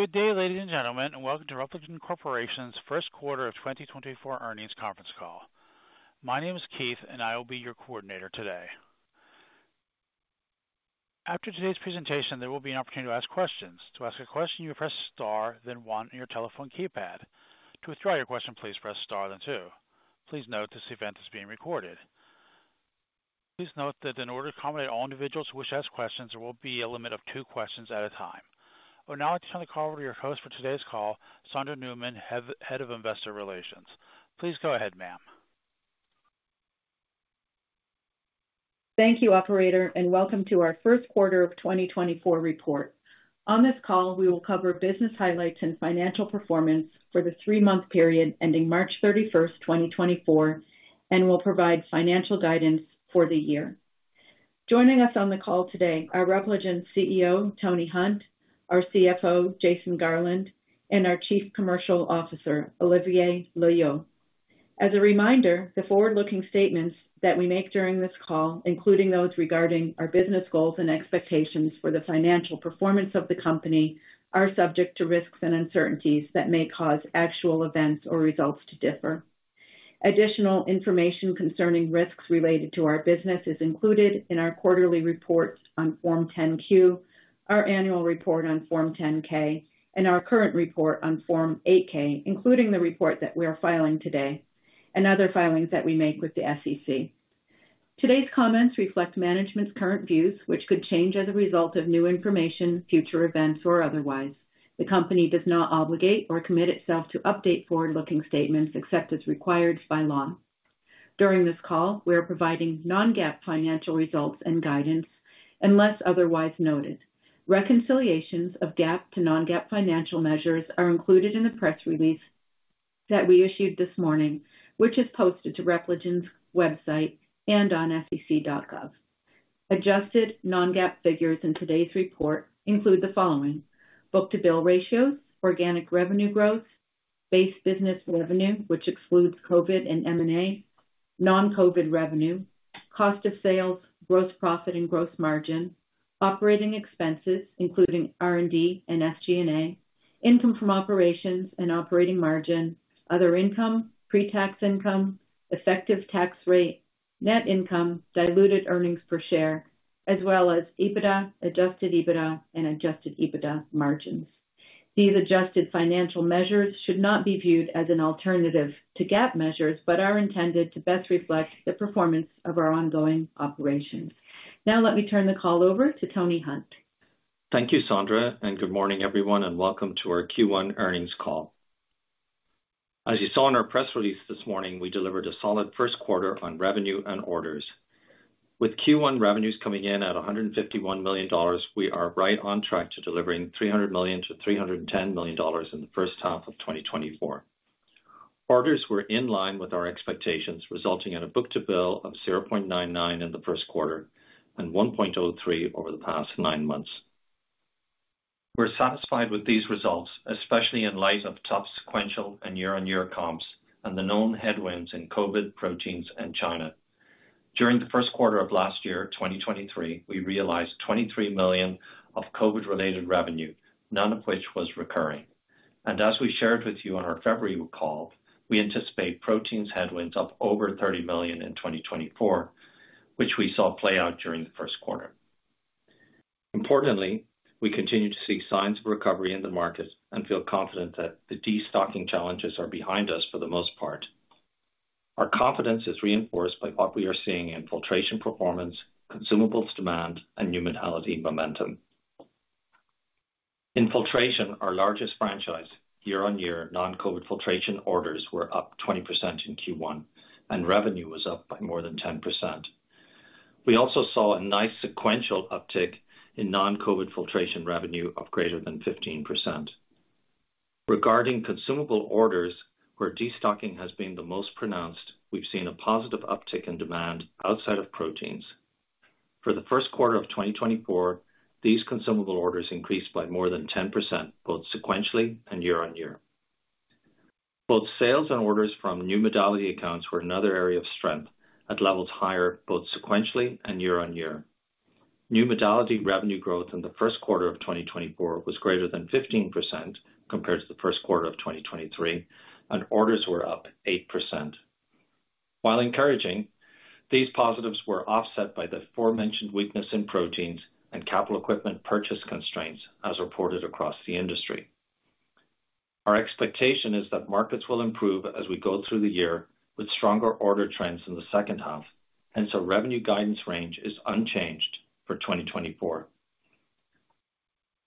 Good day, ladies and gentlemen, and welcome to Repligen Corporation's first quarter of 2024 earnings conference call. My name is Keith, and I will be your coordinator today. After today's presentation, there will be an opportunity to ask questions. To ask a question, you press star, then one on your telephone keypad. To withdraw your question, please press star, then two. Please note, this event is being recorded. Please note that in order to accommodate all individuals who wish to ask questions, there will be a limit of two questions at a time. I would now like to turn the call over to your host for today's call, Sondra Newman, Head of Investor Relations. Please go ahead, ma'am. Thank you, Operator, and welcome to our first quarter of 2024 report. On this call, we will cover business highlights and financial performance for the three-month period ending March 31st, 2024, and we'll provide financial guidance for the year. Joining us on the call today are Repligen's CEO, Tony Hunt, our CFO, Jason Garland, and our Chief Commercial Officer, Olivier Loeillot. As a reminder, the forward-looking statements that we make during this call, including those regarding our business goals and expectations for the financial performance of the company, are subject to risks and uncertainties that may cause actual events or results to differ. Additional information concerning risks related to our business is included in our quarterly report on Form 10-Q, our annual report on Form 10-K, and our current report on Form 8-K, including the report that we are filing today, and other filings that we make with the SEC. Today's comments reflect management's current views, which could change as a result of new information, future events, or otherwise. The company does not obligate or commit itself to update forward-looking statements except as required by law. During this call, we are providing non-GAAP financial results and guidance, unless otherwise noted. Reconciliations of GAAP to non-GAAP financial measures are included in the press release that we issued this morning, which is posted to Repligen's website and on SEC.gov. Adjusted non-GAAP figures in today's report include the following: book-to-bill ratio, organic revenue growth, base business revenue, which excludes COVID and M&A, non-COVID revenue, cost of sales, gross profit and gross margin, operating expenses, including R&D and SG&A, income from operations and operating margin, other income, pre-tax income, effective tax rate, net income, diluted earnings per share, as well as EBITDA, adjusted EBITDA, and adjusted EBITDA margins. These adjusted financial measures should not be viewed as an alternative to GAAP measures, but are intended to best reflect the performance of our ongoing operations. Now, let me turn the call over to Tony Hunt. Thank you, Sondra, and good morning, everyone, and welcome to our Q1 earnings call. As you saw in our press release this morning, we delivered a solid first quarter on revenue and orders. With Q1 revenues coming in at $151 million, we are right on track to delivering $300 million-$310 million in the first half of 2024. Orders were in line with our expectations, resulting in a book-to-bill of 0.99 in the first quarter and 1.03 over the past nine months. We're satisfied with these results, especially in light of tough sequential and year-on-year comps and the known headwinds in COVID, proteins, and China. During the first quarter of last year, 2023, we realized $23 million of COVID-related revenue, none of which was recurring. As we shared with you on our February call, we anticipate proteins headwinds of over $30 million in 2024, which we saw play out during the first quarter. Importantly, we continue to see signs of recovery in the market and feel confident that the destocking challenges are behind us for the most part. Our confidence is reinforced by what we are seeing in filtration performance, consumables demand, and new modality momentum. In filtration, our largest franchise, year-on-year, non-COVID filtration orders were up 20% in Q1, and revenue was up by more than 10%. We also saw a nice sequential uptick in non-COVID filtration revenue of greater than 15%. Regarding consumable orders, where destocking has been the most pronounced, we've seen a positive uptick in demand outside of proteins. For the first quarter of 2024, these consumable orders increased by more than 10%, both sequentially and year-on-year. Both sales and orders from new modality accounts were another area of strength, at levels higher both sequentially and year-on-year. New modality revenue growth in the first quarter of 2024 was greater than 15% compared to the first quarter of 2023, and orders were up 8%. While encouraging, these positives were offset by the aforementioned weakness in proteins and capital equipment purchase constraints, as reported across the industry. Our expectation is that markets will improve as we go through the year with stronger order trends in the second half, and so revenue guidance range is unchanged for 2024.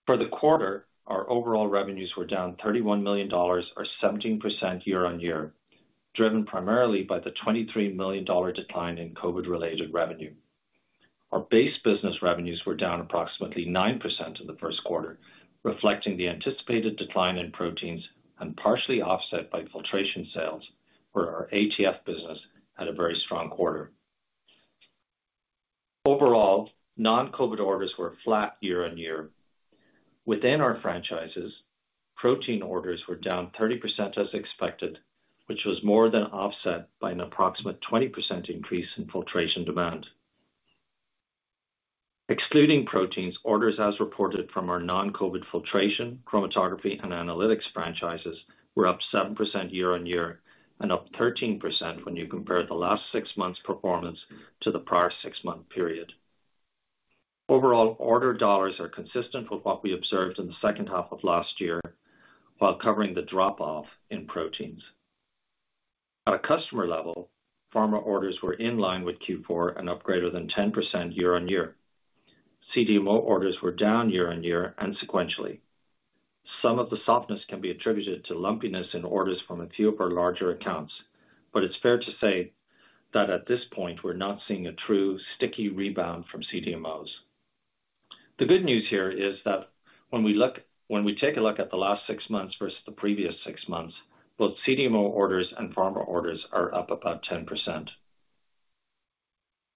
For the quarter, our overall revenues were down $31 million or 17% year-over-year, driven primarily by the $23 million decline in COVID-related revenue. Our base business revenues were down approximately 9% in the first quarter, reflecting the anticipated decline in proteins and partially offset by filtration sales, where our ATF business had a very strong quarter. Overall, non-COVID orders were flat year-over-year. Within our franchises, proteins orders were down 30% as expected, which was more than offset by an approximate 20% increase in filtration demand. Excluding proteins, orders as reported from our non-COVID filtration, chromatography, and analytics franchises were up 7% year-over-year and up 13% when you compare the last six months' performance to the prior six-month period. Overall, order dollars are consistent with what we observed in the second half of last year, while covering the drop-off in proteins. At a customer level, pharma orders were in line with Q4 and up greater than 10% year-on-year. CDMO orders were down year-on-year and sequentially. Some of the softness can be attributed to lumpiness in orders from a few of our larger accounts, but it's fair to say that at this point, we're not seeing a true sticky rebound from CDMOs. The good news here is that when we take a look at the last six months versus the previous six months, both CDMO orders and pharma orders are up about 10%.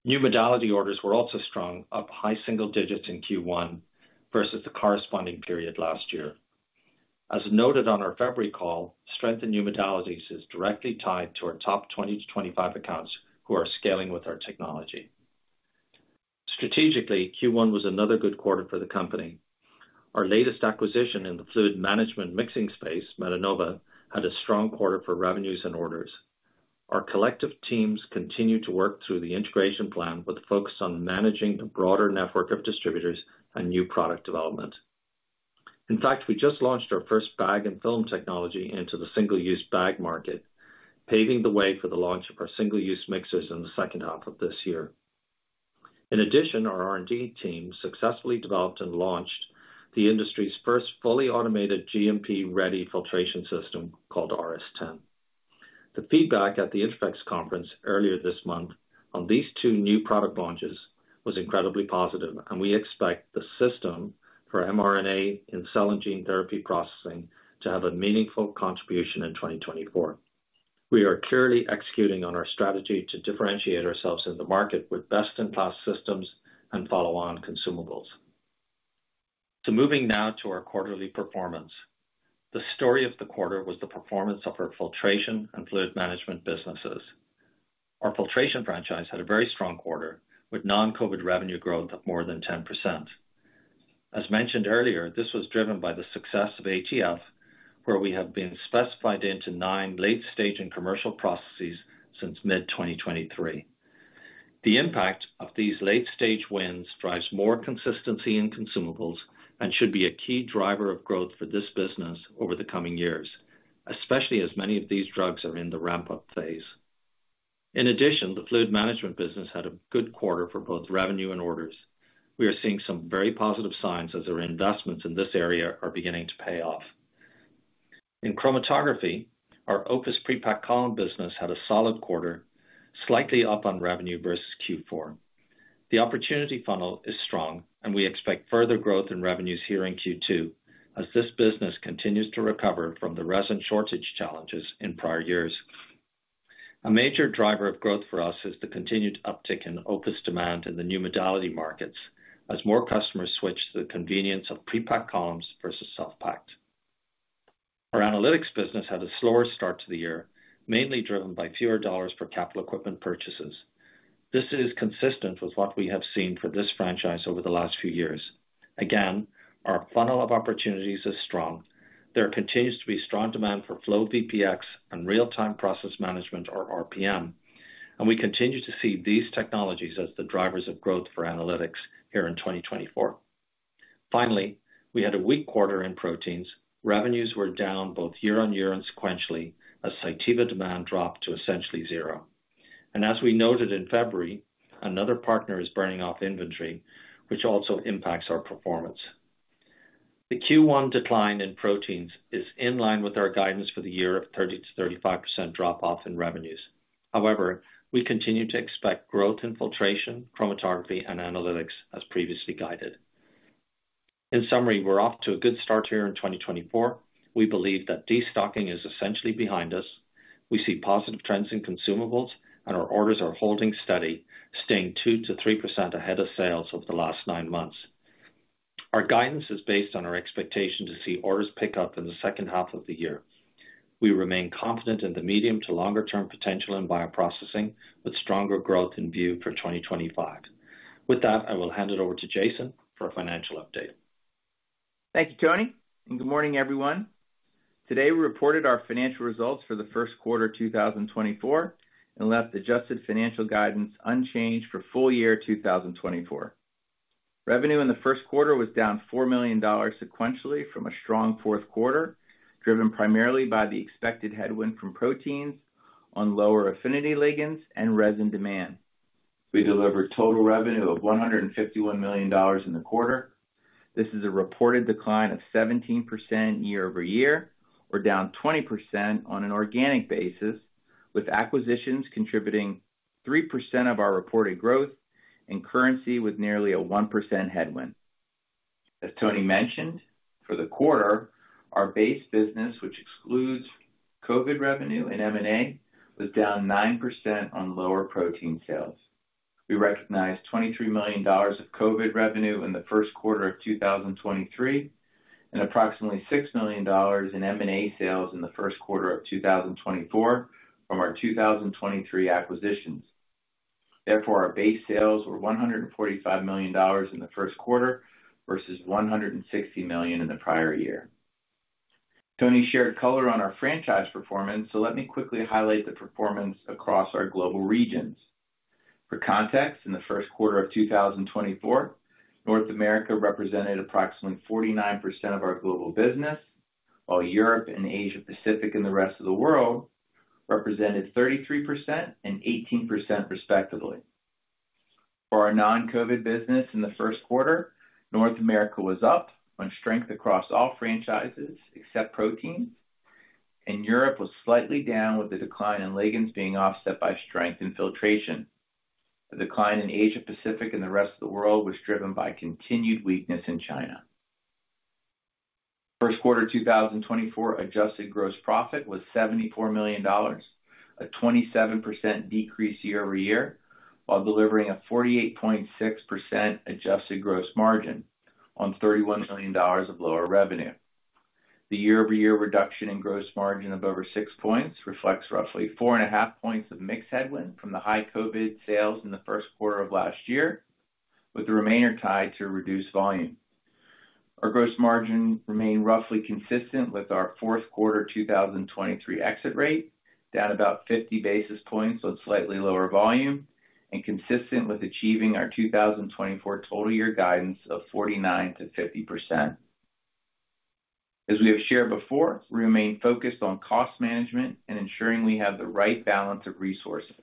New modality orders were also strong, up high single digits in Q1 versus the corresponding period last year. As noted on our February call, strength in new modalities is directly tied to our top 20-25 accounts, who are scaling with our technology. Strategically, Q1 was another good quarter for the company. Our latest acquisition in the fluid management mixing space, Metenova, had a strong quarter for revenues and orders. Our collective teams continue to work through the integration plan with a focus on managing a broader network of distributors and new product development. In fact, we just launched our first bag and film technology into the single-use bag market, paving the way for the launch of our single-use mixers in the second half of this year. In addition, our R&D team successfully developed and launched the industry's first fully automated GMP-ready filtration system, called RS 10. The feedback at the INTERPHEX Conference earlier this month on these two new product launches was incredibly positive, and we expect the system for mRNA in cell and gene therapy processing to have a meaningful contribution in 2024. We are clearly executing on our strategy to differentiate ourselves in the market with best-in-class systems and follow-on consumables. So moving now to our quarterly performance. The story of the quarter was the performance of our filtration and fluid management businesses. Our filtration franchise had a very strong quarter, with non-COVID revenue growth of more than 10%. As mentioned earlier, this was driven by the success of ATF, where we have been specified into nine late-stage and commercial processes since mid-2023. The impact of these late-stage wins drives more consistency in consumables and should be a key driver of growth for this business over the coming years, especially as many of these drugs are in the ramp-up phase. In addition, the fluid management business had a good quarter for both revenue and orders. We are seeing some very positive signs as our investments in this area are beginning to pay off. In chromatography, our OPUS pre-packed column business had a solid quarter, slightly up on revenue versus Q4. The opportunity funnel is strong, and we expect further growth in revenues here in Q2 as this business continues to recover from the resin shortage challenges in prior years. A major driver of growth for us is the continued uptick in OPUS demand in the new modality markets as more customers switch to the convenience of pre-packed columns versus self-packed. Our analytics business had a slower start to the year, mainly driven by fewer dollars for capital equipment purchases. This is consistent with what we have seen for this franchise over the last few years. Again, our funnel of opportunities is strong. There continues to be strong demand for FlowVPX and real-time process management, or RPM, and we continue to see these technologies as the drivers of growth for analytics here in 2024. Finally, we had a weak quarter in proteins. Revenues were down both year-on-year and sequentially, as Cytiva demand dropped to essentially zero. And as we noted in February, another partner is burning off inventory, which also impacts our performance. The Q1 decline in proteins is in line with our guidance for the year of 30%-35% drop-off in revenues. However, we continue to expect growth in filtration, chromatography, and analytics as previously guided. In summary, we're off to a good start here in 2024. We believe that destocking is essentially behind us. We see positive trends in consumables, and our orders are holding steady, staying 2%-3% ahead of sales over the last nine months. Our guidance is based on our expectation to see orders pick up in the second half of the year. We remain confident in the medium to longer-term potential in bioprocessing, with stronger growth in view for 2025. With that, I will hand it over to Jason for a financial update. Thank you, Tony, and good morning, everyone. Today, we reported our financial results for the first quarter 2024, and left adjusted financial guidance unchanged for full year 2024. Revenue in the first quarter was down $4 million sequentially from a strong fourth quarter, driven primarily by the expected headwind from proteins on lower affinity ligands and resin demand. We delivered total revenue of $151 million in the quarter. This is a reported decline of 17% year-over-year, or down 20% on an organic basis, with acquisitions contributing 3% of our reported growth and currency with nearly a 1% headwind. As Tony mentioned, for the quarter, our base business, which excludes COVID revenue and M&A, was down 9% on lower protein sales. We recognized $23 million of COVID revenue in the first quarter of 2023... and approximately $6 million in M&A sales in the first quarter of 2024 from our 2023 acquisitions. Therefore, our base sales were $145 million in the first quarter versus $160 million in the prior year. Tony shared color on our franchise performance, so let me quickly highlight the performance across our global regions. For context, in the first quarter of 2024, North America represented approximately 49% of our global business, while Europe and Asia Pacific, and the rest of the world, represented 33% and 18%, respectively. For our non-COVID business in the first quarter, North America was up on strength across all franchises except proteins, and Europe was slightly down, with the decline in ligands being offset by strength in filtration. The decline in Asia Pacific and the rest of the world was driven by continued weakness in China. First quarter 2024 adjusted gross profit was $74 million, a 27% decrease year-over-year, while delivering a 48.6% adjusted gross margin on $31 million of lower revenue. The year-over-year reduction in gross margin of over six points reflects roughly 4.5 points of mix headwind from the high COVID sales in the first quarter of last year, with the remainder tied to reduced volume. Our gross margin remained roughly consistent with our fourth quarter 2023 exit rate, down about 50 basis points on slightly lower volume and consistent with achieving our 2024 total year guidance of 49%-50%. As we have shared before, we remain focused on cost management and ensuring we have the right balance of resources.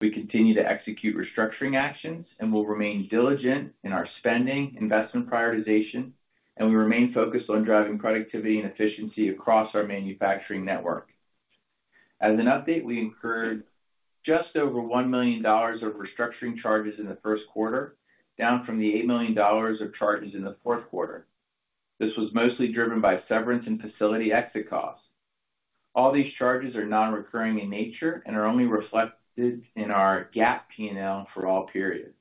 We continue to execute restructuring actions, and we'll remain diligent in our spending, investment prioritization, and we remain focused on driving productivity and efficiency across our manufacturing network. As an update, we incurred just over $1 million of restructuring charges in the first quarter, down from the $8 million of charges in the fourth quarter. This was mostly driven by severance and facility exit costs. All these charges are non-recurring in nature and are only reflected in our GAAP P&L for all periods.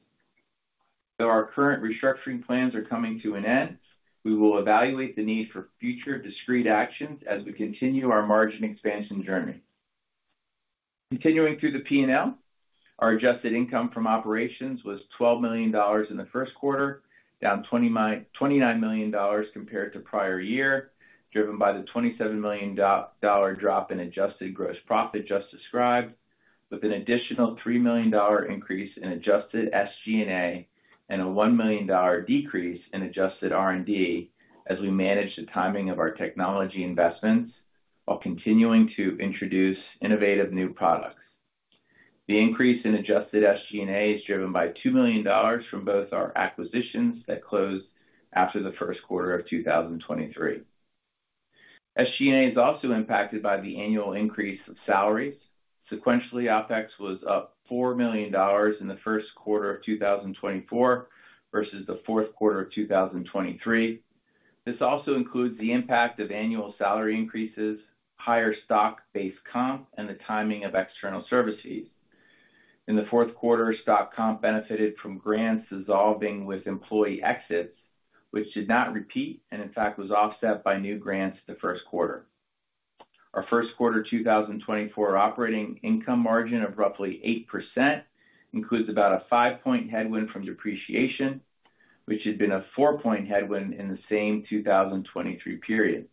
Though our current restructuring plans are coming to an end, we will evaluate the need for future discrete actions as we continue our margin expansion journey. Continuing through the P&L, our adjusted income from operations was $12 million in the first quarter, down $29 million compared to prior year, driven by the $27 million dollar drop in adjusted gross profit just described, with an additional $3 million dollar increase in adjusted SG&A and a $1 million dollar decrease in adjusted R&D as we manage the timing of our technology investments while continuing to introduce innovative new products. The increase in adjusted SG&A is driven by $2 million from both our acquisitions that closed after the first quarter of 2023. SG&A is also impacted by the annual increase of salaries. Sequentially, OpEx was up $4 million in the first quarter of 2024 versus the fourth quarter of 2023. This also includes the impact of annual salary increases, higher stock-based comp, and the timing of external service fees. In the fourth quarter, stock comp benefited from grants dissolving with employee exits, which did not repeat, and in fact, was offset by new grants in the first quarter. Our first quarter 2024 operating income margin of roughly 8% includes about a five-point headwind from depreciation, which had been a four-point headwind in the same 2023 period.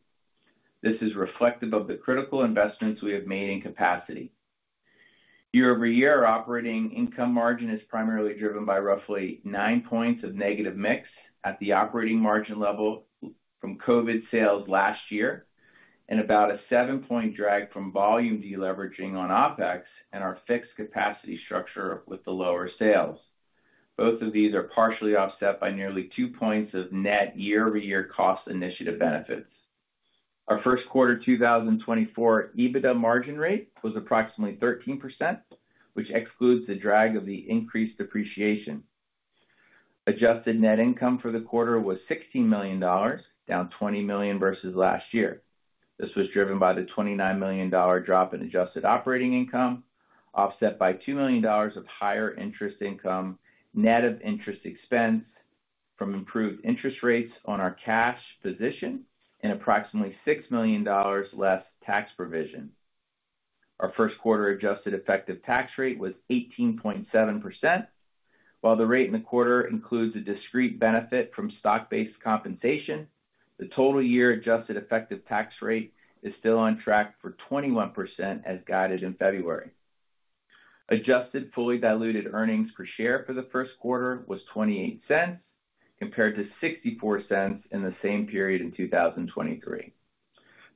This is reflective of the critical investments we have made in capacity. Year-over-year, operating income margin is primarily driven by roughly nine points of negative mix at the operating margin level from COVID sales last year, and about a seven-point drag from volume deleveraging on OpEx and our fixed capacity structure with the lower sales. Both of these are partially offset by nearly two points of net year-over-year cost initiative benefits. Our first quarter 2024 EBITDA margin rate was approximately 13%, which excludes the drag of the increased depreciation. Adjusted net income for the quarter was $16 million, down $20 million versus last year. This was driven by the $29 million dollar drop in adjusted operating income, offset by $2 million of higher interest income, net of interest expense from improved interest rates on our cash position, and approximately $6 million less tax provision. Our first quarter adjusted effective tax rate was 18.7%. While the rate in the quarter includes a discrete benefit from stock-based compensation, the total year adjusted effective tax rate is still on track for 21%, as guided in February. Adjusted fully diluted earnings per share for the first quarter was $0.28, compared to $0.64 in the same period in 2023.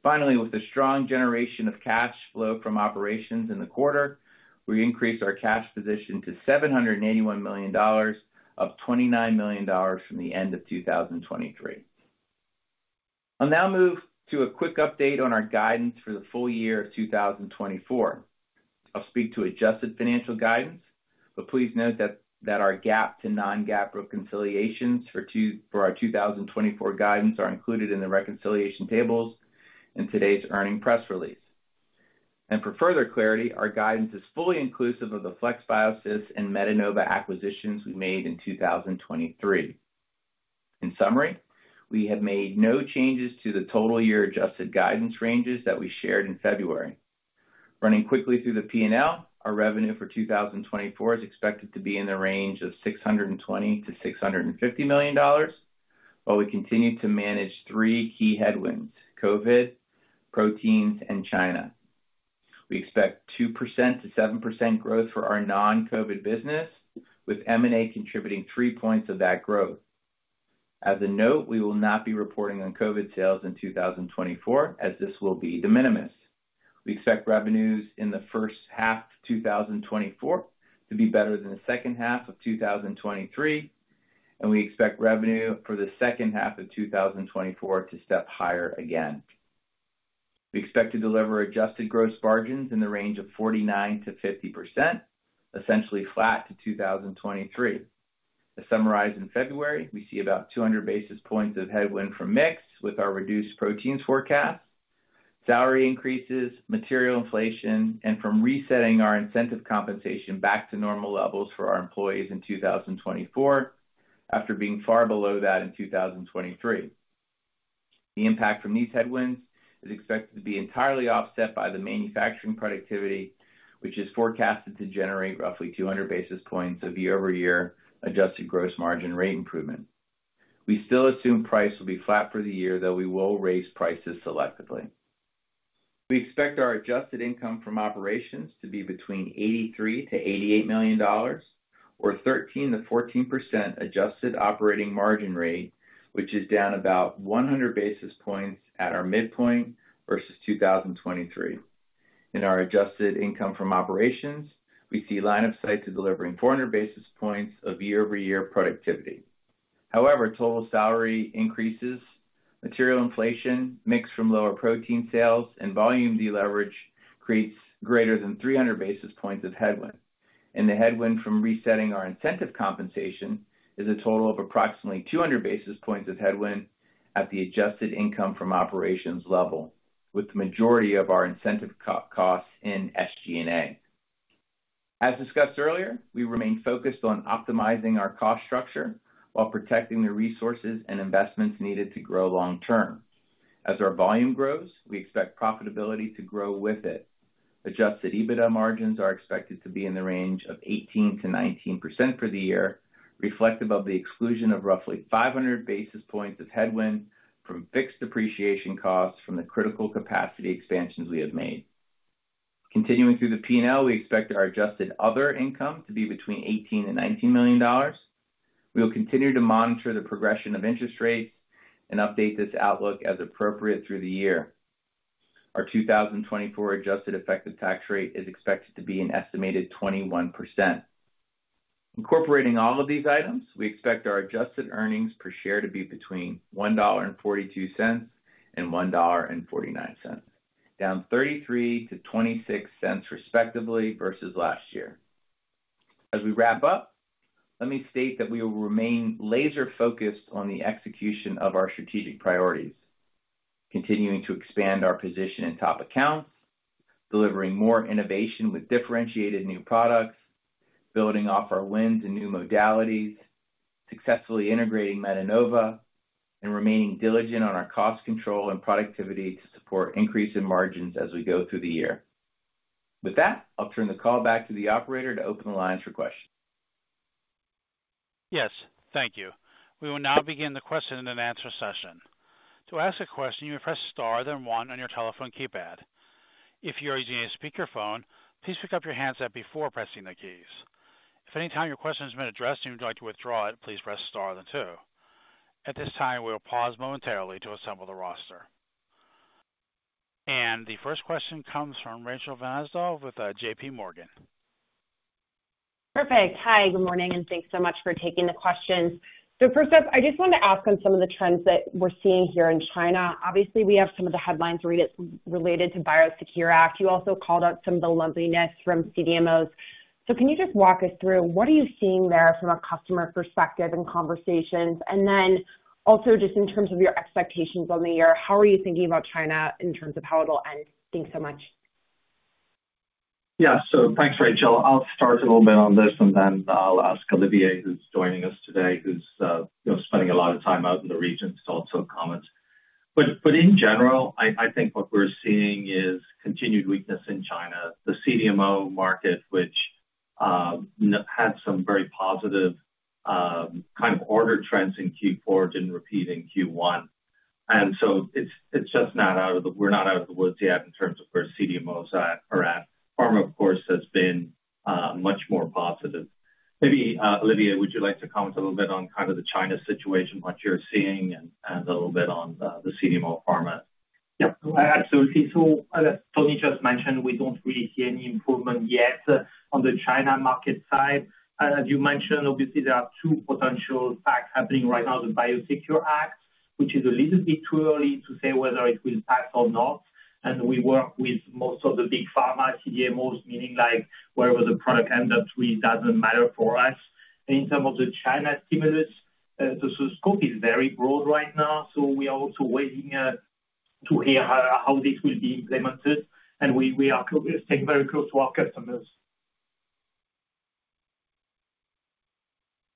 Finally, with the strong generation of cash flow from operations in the quarter, we increased our cash position to $781 million, up $29 million from the end of 2023. I'll now move to a quick update on our guidance for the full year of 2024. I'll speak to adjusted financial guidance, but please note that our GAAP to non-GAAP reconciliations for 2024 guidance are included in the reconciliation tables in today's earnings press release. For further clarity, our guidance is fully inclusive of the FlexBiosys and Metenova acquisitions we made in 2023. In summary, we have made no changes to the total year adjusted guidance ranges that we shared in February. Running quickly through the P&L, our revenue for 2024 is expected to be in the range of $620 million-$650 million, while we continue to manage three key headwinds: COVID, proteins, and China. We expect 2%-7% growth for our non-COVID business, with M&A contributing three points of that growth. As a note, we will not be reporting on COVID sales in 2024, as this will be de minimis. We expect revenues in the first half of 2024 to be better than the second half of 2023, and we expect revenue for the second half of 2024 to step higher again. We expect to deliver adjusted gross margins in the range of 49%-50%, essentially flat to 2023. To summarize, in February, we see about 200 basis points of headwind from mix with our reduced proteins forecast, salary increases, material inflation, and from resetting our incentive compensation back to normal levels for our employees in 2024, after being far below that in 2023. The impact from these headwinds is expected to be entirely offset by the manufacturing productivity, which is forecasted to generate roughly 200 basis points of year-over-year adjusted gross margin rate improvement. We still assume price will be flat for the year, though we will raise prices selectively. We expect our adjusted income from operations to be between $83 million-$88 million, or 13%-14% adjusted operating margin rate, which is down about 100 basis points at our midpoint versus 2023. In our adjusted income from operations, we see line of sight to delivering 400 basis points of year-over-year productivity. However, total salary increases, material inflation, mix from lower protein sales, and volume deleverage creates greater than 300 basis points of headwind. The headwind from resetting our incentive compensation is a total of approximately 200 basis points of headwind at the adjusted income from operations level, with the majority of our incentive comp costs in SG&A. As discussed earlier, we remain focused on optimizing our cost structure while protecting the resources and investments needed to grow long term. As our volume grows, we expect profitability to grow with it. Adjusted EBITDA margins are expected to be in the range of 18%-19% for the year, reflective of the exclusion of roughly 500 basis points of headwind from fixed depreciation costs from the critical capacity expansions we have made. Continuing through the P&L, we expect our adjusted other income to be between $18 million and $19 million. We will continue to monitor the progression of interest rates and update this outlook as appropriate through the year. Our 2024 adjusted effective tax rate is expected to be an estimated 21%. Incorporating all of these items, we expect our adjusted earnings per share to be between $1.42 and $1.49, down 33-26 cents, respectively, versus last year. As we wrap up, let me state that we will remain laser focused on the execution of our strategic priorities: continuing to expand our position in top accounts, delivering more innovation with differentiated new products, building off our wins and new modalities, successfully integrating Metenova, and remaining diligent on our cost control and productivity to support increase in margins as we go through the year. With that, I'll turn the call back to the operator to open the lines for questions. Yes, thank you. We will now begin the question and answer session. To ask a question, you may press star, then one on your telephone keypad. If you are using a speakerphone, please pick up your handset before pressing the keys. If any time your question has been addressed, and you'd like to withdraw it, please press star then two. At this time, we will pause momentarily to assemble the roster. The first question comes from Rachel Vatnsdal with JPMorgan. Perfect. Hi, good morning, and thanks so much for taking the questions. So first up, I just wanted to ask on some of the trends that we're seeing here in China. Obviously, we have some of the headlines regarding the BIOSECURE Act. You also called out some of the lagginess from CDMOs. So can you just walk us through what are you seeing there from a customer perspective and conversations? And then also, just in terms of your expectations on the year, how are you thinking about China in terms of how it'll end? Thanks so much. Yeah. So thanks, Rachel. I'll start a little bit on this, and then I'll ask Olivier, who's joining us today, who's you know spending a lot of time out in the region, to also comment. But in general, I think what we're seeing is continued weakness in China. The CDMO market, which had some very positive kind of order trends in Q4, didn't repeat in Q1. And so it's just not out of the woods yet in terms of where CDMOs are at. Pharma, of course, has been much more positive. Maybe, Olivier, would you like to comment a little bit on kind of the China situation, what you're seeing and a little bit on the CDMO pharma? Yeah, absolutely. So as Tony just mentioned, we don't really see any improvement yet on the China market side. As you mentioned, obviously, there are two potential factors happening right now: the BIOSECURE Act, which is a little bit too early to say whether it will impact or not, and we work with most of the big pharma CDMOs, meaning like wherever the product ends up really doesn't matter for us. In terms of the China stimulus, the scope is very broad right now, so we are also waiting to hear how this will be implemented, and we are staying very close to our customers.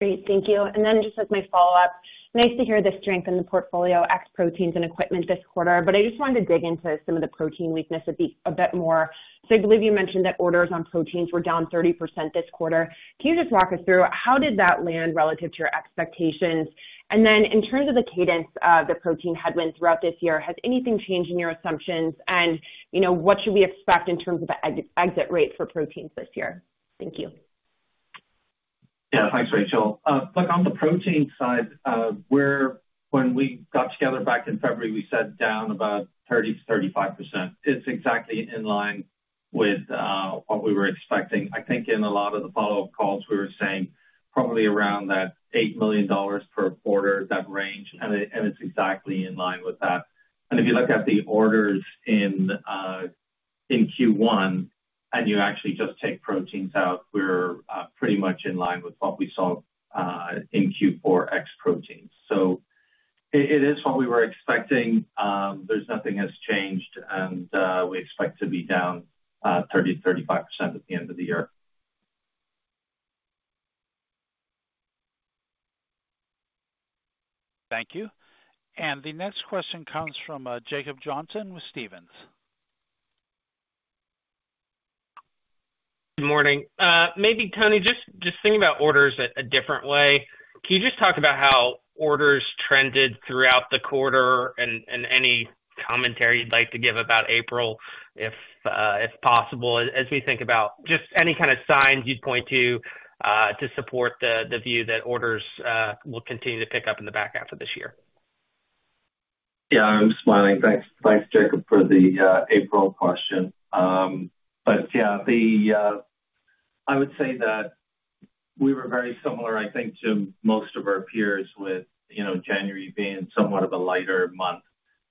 Great, thank you. And then just as my follow-up, nice to hear the strength in the portfolio ex proteins and equipment this quarter, but I just wanted to dig into some of the protein weakness a bit, a bit more. So I believe you mentioned that orders on proteins were down 30% this quarter. Can you just walk us through, how did that land relative to your expectations? And then in terms of the cadence of the protein headwinds throughout this year, has anything changed in your assumptions? And, you know, what should we expect in terms of the exit rate for proteins this year? Thank you. Yeah, thanks, Rachel. Look, on the protein side, when we got together back in February, we said down about 30%-35%. It's exactly in line with what we were expecting. I think in a lot of the follow-up calls, we were saying probably around that $8 million per quarter, that range, and it's exactly in line with that. And if you look at the orders in Q1, and you actually just take proteins out, we're pretty much in line with what we saw in Q4, ex proteins. So it is what we were expecting. There's nothing has changed, and we expect to be down 30%-35% at the end of the year. Thank you. The next question comes from Jacob Johnson with Stephens. Good morning. Maybe, Tony, just thinking about orders a different way. Can you just talk about how orders trended throughout the quarter and any commentary you'd like to give about April, if possible, as we think about just any kind of signs you'd point to to support the view that orders will continue to pick up in the back half of this year? Yeah, I'm smiling. Thanks, thanks, Jacob, for the April question. But yeah, I would say that we were very similar, I think, to most of our peers with, you know, January being somewhat of a lighter month,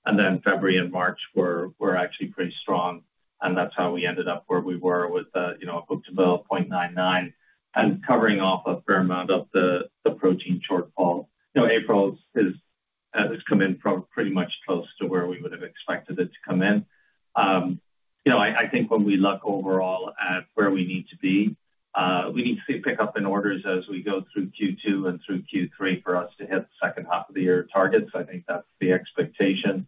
and then February and March were actually pretty strong, and that's how we ended up where we were with, you know, a book-to-bill of 0.99 and covering off a fair amount of the protein shortfall. You know, April has come in from pretty much close to where we would have expected it to come in. You know, I think when we look overall at where we need to be, we need to see pick up in orders as we go through Q2 and through Q3 for us to hit the second half of the year targets. I think that's the expectation.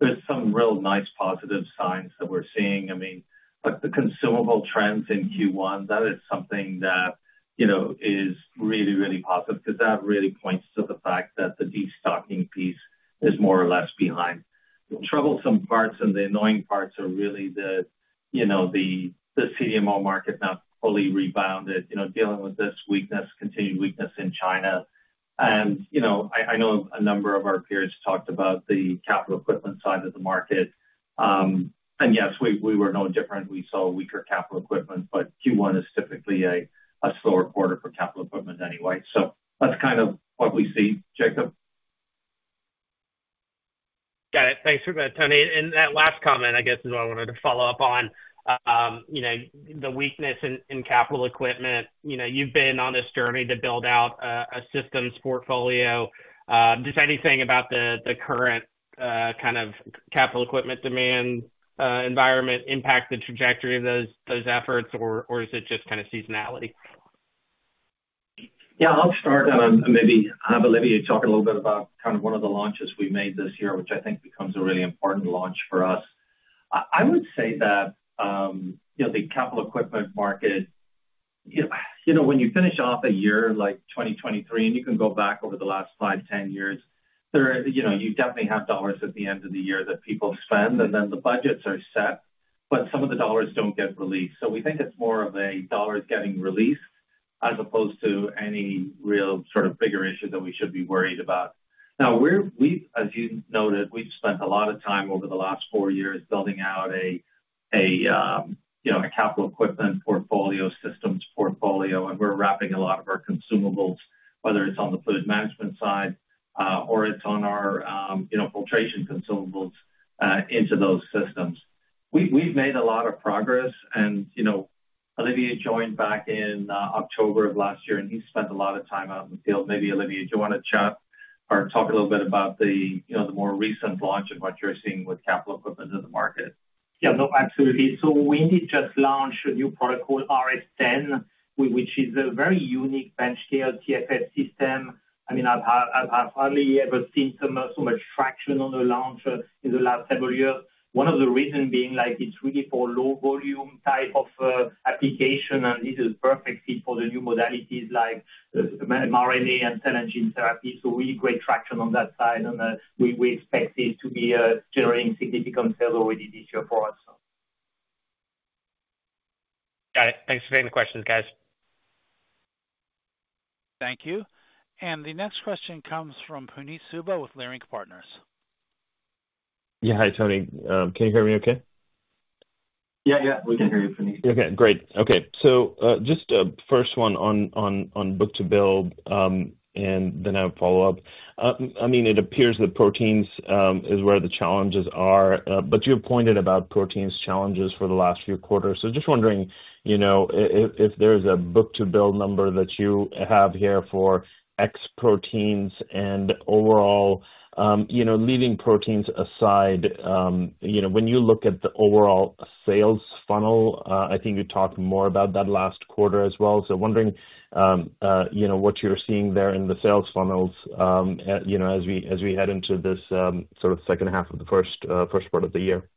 There's some real nice positive signs that we're seeing. I mean, like the consumable trends in Q1, that is something that, you know, is really, really positive, because that really points to the fact that the destocking piece is more or less behind. The troublesome parts and the annoying parts are really the, you know, the CDMO market not fully rebounded, you know, dealing with this weakness, continued weakness in China. And, you know, I know a number of our peers talked about the capital equipment side of the market. And yes, we were no different. We saw weaker capital equipment, but Q1 is typically a slower quarter for capital equipment anyway. So that's kind of what we see, Jacob. Got it. Thanks for that, Tony. That last comment, I guess, is what I wanted to follow up on. You know, the weakness in capital equipment, you know, you've been on this journey to build out a systems portfolio. Does anything about the current kind of capital equipment demand environment impact the trajectory of those efforts, or is it just kind of seasonality? Yeah, I'll start, and maybe have Olivier talk a little bit about kind of one of the launches we made this year, which I think becomes a really important launch for us. I would say that, you know, the capital equipment market, you know, when you finish off a year like 2023, and you can go back over the last five, 10 years, there are, you know, you definitely have dollars at the end of the year that people spend, and then the budgets are set, but some of the dollars don't get released. So we think it's more of a dollars getting released, as opposed to any real sort of bigger issue that we should be worried about. Now, we've, as you noted, we've spent a lot of time over the last four years building out a, you know, a capital equipment portfolio, systems portfolio, and we're wrapping a lot of our consumables, whether it's on the fluid management side, or it's on our, you know, filtration consumables, into those systems. We've made a lot of progress and, you know, Olivier joined back in, October of last year, and he spent a lot of time out in the field. Maybe, Olivier, do you want to chat or talk a little bit about the, you know, the more recent launch and what you're seeing with capital equipment in the market? Yeah, no, absolutely. So we just launched a new product called RS 10, which is a very unique bench-scale TFF system. I mean, I've hardly ever seen so much traction on the launch in the last several years. One of the reasons being, like, it's really for low volume type of application, and this is perfect fit for the new modalities like mRNA and gene therapy. So we great traction on that side, and we expect it to be generating significant sales already this year for us, so. Got it. Thanks for taking the questions, guys. Thank you. And the next question comes from Puneet Souda with Leerink Partners. Yeah. Hi, Tony. Can you hear me okay?... Yeah, yeah, we can hear you, Puneet. Okay, great. Okay, so, just, first one on book-to-bill, and then I have a follow-up. I mean, it appears that proteins is where the challenges are, but you have pointed about proteins challenges for the last few quarters. So just wondering, you know, if there's a book-to-bill number that you have here for ex proteins and overall, you know, leaving proteins aside, you know, when you look at the overall sales funnel, I think you talked more about that last quarter as well. So wondering, you know, what you're seeing there in the sales funnels, you know, as we head into this sort of second half of the first part of the year.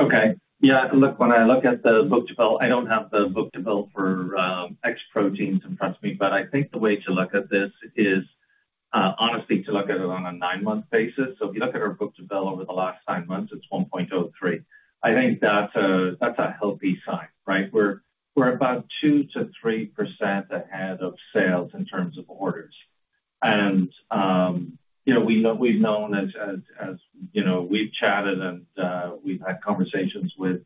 Okay. Yeah, look, when I look at the book-to-bill, I don't have the book-to-bill for ex-proteins in front of me, but I think the way to look at this is honestly to look at it on a nine-month basis. So if you look at our book-to-bill over the last nine months, it's 1.03. I think that's a healthy sign, right? We're about 2%-3% ahead of sales in terms of orders. And you know, we've known, as you know, we've chatted and we've had conversations with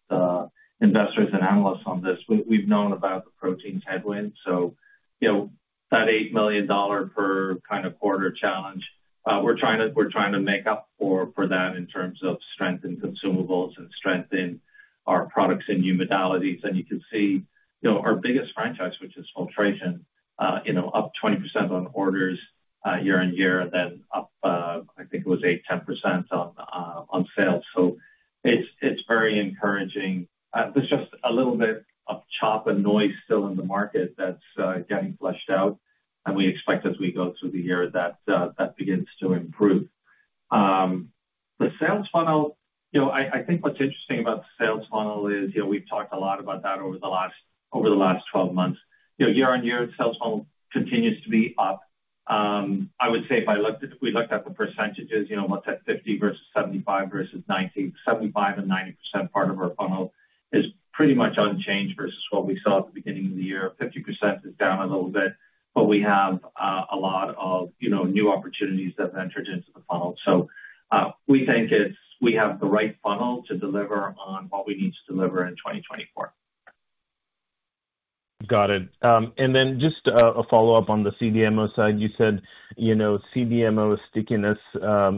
investors and analysts on this. We've known about the proteins headwind, so, you know, that $8 million per quarter challenge, we're trying to make up for that in terms of strength in consumables and strength in our products and new modalities. You can see, you know, our biggest franchise, which is filtration, up 20% on orders year-on-year, and then up 8%-10% on sales. So it's very encouraging. There's just a little bit of chop and noise still in the market that's getting flushed out, and we expect as we go through the year that that begins to improve. The sales funnel, you know, I think what's interesting about the sales funnel is, you know, we've talked a lot about that over the last 12 months. You know, year-over-year, sales funnel continues to be up. I would say if we looked at the percentages, you know, what's that 50 versus 75 versus 90. 75% and 90% part of our funnel is pretty much unchanged versus what we saw at the beginning of the year. 50% is down a little bit, but we have a lot of, you know, new opportunities that have entered into the funnel. So, we think it's, we have the right funnel to deliver on what we need to deliver in 2024. Got it. And then just a follow-up on the CDMO side. You said, you know, CDMO stickiness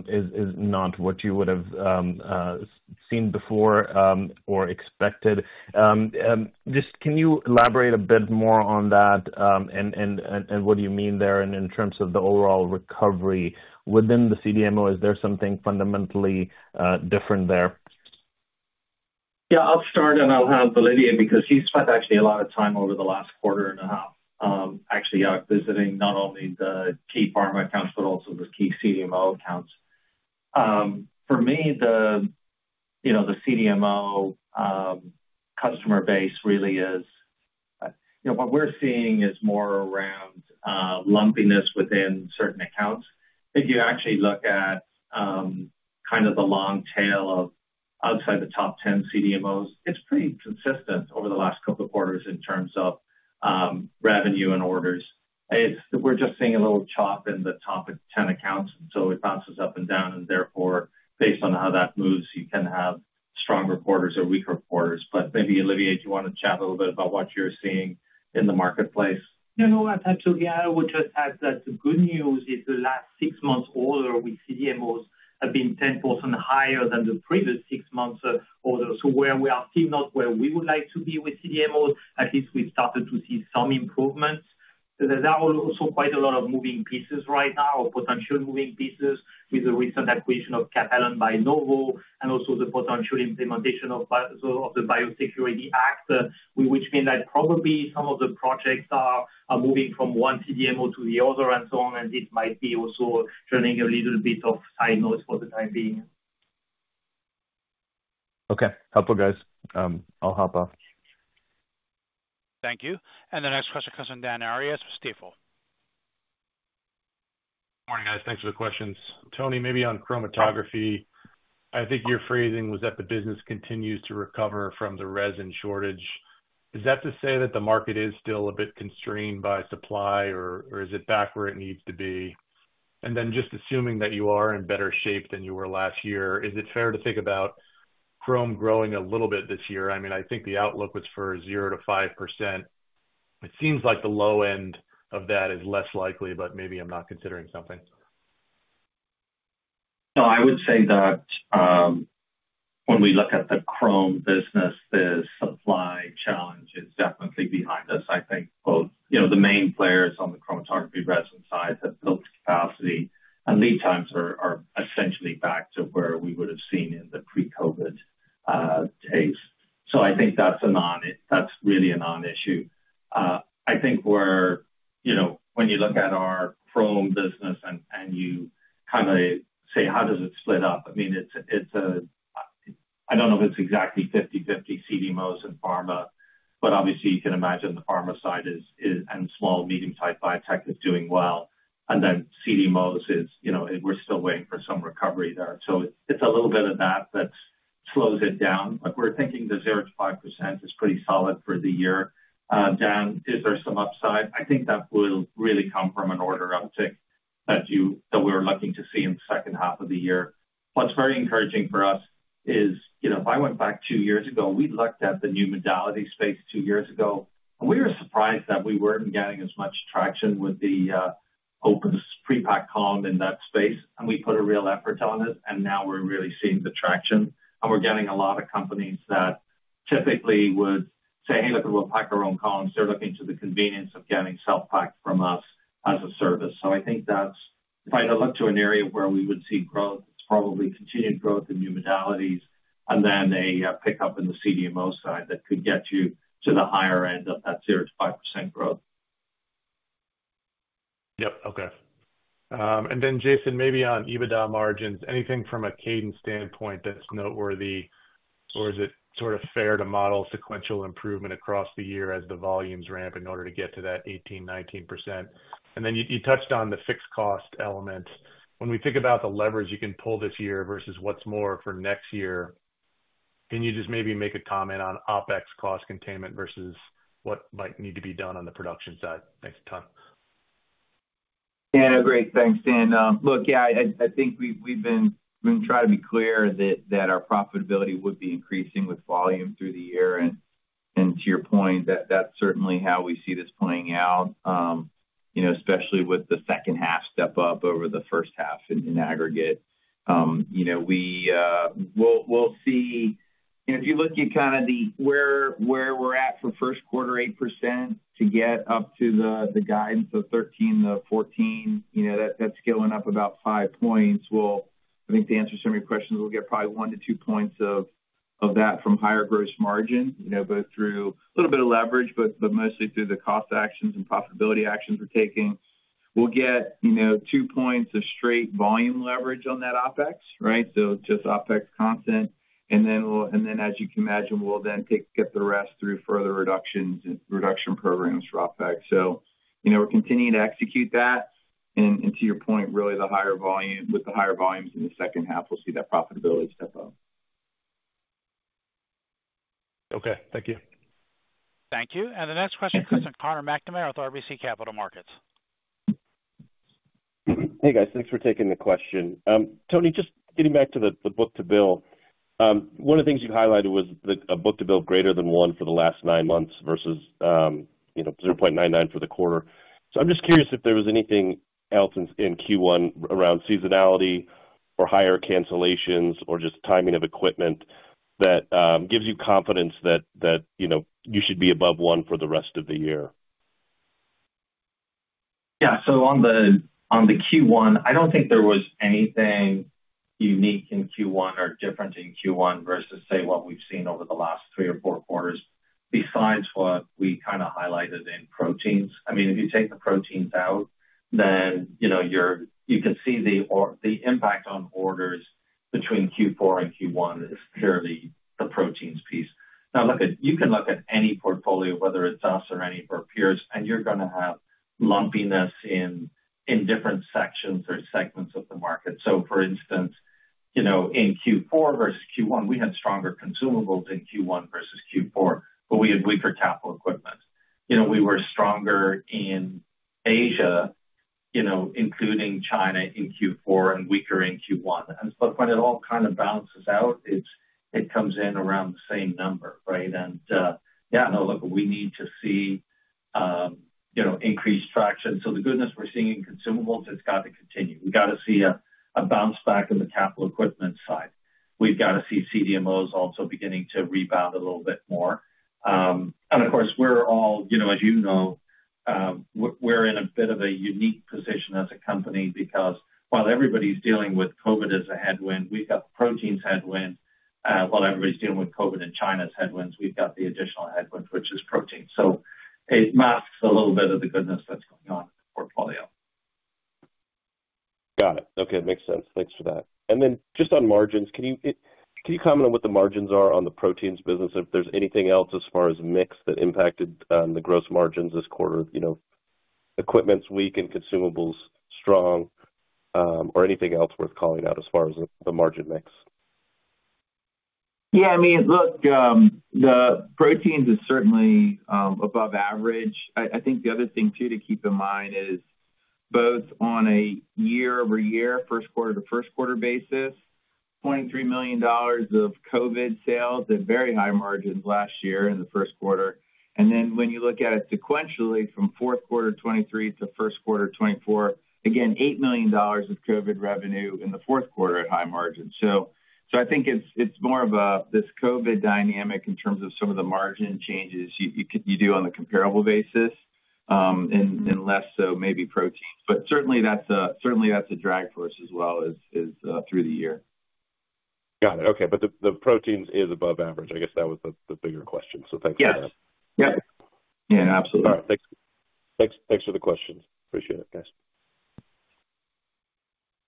is not what you would have seen before or expected. Just can you elaborate a bit more on that, and what do you mean there in terms of the overall recovery within the CDMO? Is there something fundamentally different there? Yeah, I'll start, and I'll have Olivier, because he's spent actually a lot of time over the last quarter and a half, actually out visiting not only the key pharma accounts, but also the key CDMO accounts. For me, you know, the CDMO customer base really is, you know, what we're seeing is more around lumpiness within certain accounts. If you actually look at kind of the long tail of outside the top ten CDMOs, it's pretty consistent over the last couple of quarters in terms of revenue and orders. We're just seeing a little chop in the top ten accounts, and so it bounces up and down, and therefore, based on how that moves, you can have stronger quarters or weaker quarters. But maybe, Olivier, do you want to chat a little bit about what you're seeing in the marketplace? You know, absolutely. I would just add that the good news is the last six months order with CDMOs have been 10% higher than the previous six months of orders. So where we are still not where we would like to be with CDMOs, at least we've started to see some improvements. So there are also quite a lot of moving pieces right now, or potential moving pieces with the recent acquisition of Catalent by Novo, and also the potential implementation of bi-- so of the BIOSECURE Act, which mean that probably some of the projects are, are moving from one CDMO to the other and so on, and it might be also turning a little bit of side note for the time being. Okay. Helpful, guys. I'll hop off. Thank you. The next question comes from Dan Arias with Stifel. Morning, guys. Thanks for the questions. Tony, maybe on chromatography, I think your phrasing was that the business continues to recover from the resin shortage. Is that to say that the market is still a bit constrained by supply, or, or is it back where it needs to be? And then just assuming that you are in better shape than you were last year, is it fair to think about chrome growing a little bit this year? I mean, I think the outlook was for 0%-5%. It seems like the low end of that is less likely, but maybe I'm not considering something. No, I would say that when we look at the chromatography business, the supply challenge is definitely behind us. I think both, you know, the main players on the chromatography resin side have built capacity, and lead times are essentially back to where we would have seen in the pre-COVID days. So I think that's really a non-issue. I think we're, you know, when you look at our chromatography business and you kind of say: How does it split up? I mean, it's a... I don't know if it's exactly 50/50 CDMOs and pharma, but obviously you can imagine the pharma side is, and small medium-type biotech is doing well. And then CDMOs is, you know, we're still waiting for some recovery there. So it's a little bit of that that slows it down, but we're thinking the 0%-5% is pretty solid for the year. Dan, is there some upside? I think that will really come from an order uptick that we were looking to see in the second half of the year. What's very encouraging for us is, you know, if I went back two years ago, we looked at the new modality space two years ago, and we were surprised that we weren't getting as much traction with the OPUS pre-packed column in that space, and we put a real effort on it, and now we're really seeing the traction. And we're getting a lot of companies that typically would say, "Hey, look, we'll pack our own columns." They're looking to the convenience of getting self-pack from us as a service. I think that's, if I had to look to an area where we would see growth, it's probably continued growth in new modalities and then a pickup in the CDMO side that could get you to the higher end of that 0%-5% growth. Yep. Okay. And then, Jason, maybe on EBITDA margins, anything from a cadence standpoint that's noteworthy, or is it sort of fair to model sequential improvement across the year as the volumes ramp in order to get to that 18%-19%? And then you, you touched on the fixed cost element. When we think about the leverage you can pull this year versus what's more for next year, can you just maybe make a comment on OpEx cost containment versus what might need to be done on the production side? Thanks a ton. Yeah, great. Thanks, Dan. Look, yeah, I, I think we've, we've been. We've tried to be clear that our profitability would be increasing with volume through the year, and to your point, that's certainly how we see this playing out, you know, especially with the second half step up over the first half in aggregate. You know, we'll see. If you look at kind of the where we're at for first quarter, 8%, to get up to the guidance of 13%-14%, you know, that's scaling up about five points. Well, I think to answer some of your questions, we'll get probably one to two points of that from higher gross margin, you know, both through a little bit of leverage, but mostly through the cost actions and profitability actions we're taking. We'll get, you know, two points of straight volume leverage on that OpEx, right? So just OpEx content, and then, as you can imagine, we'll then get the rest through further reductions and reduction programs for OpEx. So, you know, we're continuing to execute that, and to your point, really, the higher volume with the higher volumes in the second half, we'll see that profitability step up. Okay, thank you. Thank you. The next question comes from Conor McNamara with RBC Capital Markets. Hey, guys. Thanks for taking the question. Tony, just getting back to the book-to-bill. One of the things you highlighted was that a book-to-bill greater than one for the last nine months versus, you know, 0.99 for the quarter. So I'm just curious if there was anything else in Q1 around seasonality or higher cancellations or just timing of equipment that gives you confidence that you know, you should be above one for the rest of the year? Yeah. So on the Q1, I don't think there was anything unique in Q1 or different in Q1 versus, say, what we've seen over the last three or four quarters, besides what we kind of highlighted in proteins. I mean, if you take the proteins out, then, you know, you can see the impact on orders between Q4 and Q1 is purely the proteins piece. Now, you can look at any portfolio, whether it's us or any of our peers, and you're going to have lumpiness in different sections or segments of the market. So for instance, you know, in Q4 versus Q1, we had stronger consumables in Q1 versus Q4, but we had weaker capital equipment. You know, we were stronger in Asia, you know, including China in Q4 and weaker in Q1. And so when it all kind of balances out, it's, it comes in around the same number, right? And, yeah, no, look, we need to see, you know, increased traction. So the goodness we're seeing in consumables, it's got to continue. We've got to see a bounce back in the capital equipment side. We've got to see CDMOs also beginning to rebound a little bit more. And of course, we're all, you know, as you know, we're in a bit of a unique position as a company because while everybody's dealing with COVID as a headwind, we've got proteins headwind. While everybody's dealing with COVID and China's headwinds, we've got the additional headwinds, which is proteins. So it masks a little bit of the goodness that's going on in the portfolio. Got it. Okay, makes sense. Thanks for that. And then just on margins, can you comment on what the margins are on the proteins business, if there's anything else as far as mix that impacted the gross margins this quarter? You know, equipment's weak and consumables strong, or anything else worth calling out as far as the margin mix. Yeah, I mean, look, the proteins is certainly above average. I think the other thing, too, to keep in mind is both on a year-over-year, first quarter to first quarter basis, $23 million of COVID sales at very high margins last year in the first quarter. And then when you look at it sequentially from fourth quarter 2023 to first quarter 2024, again, $8 million of COVID revenue in the fourth quarter at high margins. So, I think it's more of a this COVID dynamic in terms of some of the margin changes you do on a comparable basis, and less so maybe proteins. But certainly that's a drag for us as well as through the year. Got it. Okay. But the, the proteins is above average. I guess that was the, the bigger question, so thanks for that. Yes. Yep. Yeah, absolutely. All right, thanks, thanks, thanks for the questions. Appreciate it, guys.